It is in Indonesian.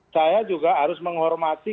saya juga harus menghormati